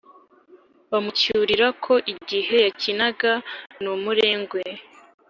bamucyurira ko igihe yakinaga n’umurengwe